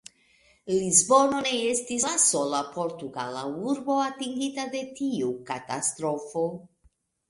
Lisbono ne estis la sola portugala urbo atingita de tiu katastrofo.